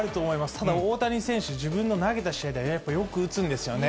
ただ大谷選手、自分の投げた試合では、やっぱりよく打つんですよね。